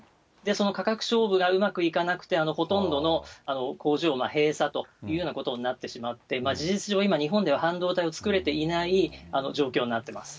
その価格勝負がうまくいかなくて、ほとんどの工場を閉鎖というようなことになってしまって、事実上、今日本では半導体を作れていない状況になってます。